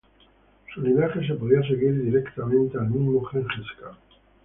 Su linaje se podía seguir directamente al mismo Gengis Kan.